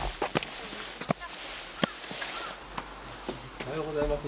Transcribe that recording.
おはようございます。